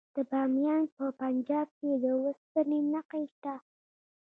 د بامیان په پنجاب کې د وسپنې نښې شته.